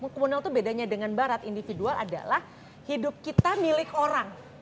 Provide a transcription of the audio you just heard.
komunal itu bedanya dengan barat individual adalah hidup kita milik orang